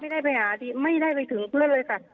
ไม่ได้ไปหาที่ไม่ได้ไปถึงเพื่อนเลยค่ะ